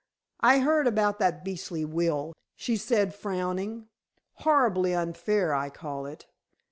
"I heard about that beastly will," she said, frowning. "Horribly unfair, I call it.